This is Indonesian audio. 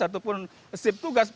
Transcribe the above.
ataupun sip tugas